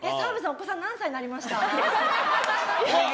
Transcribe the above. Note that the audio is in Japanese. お子さん何歳になりました？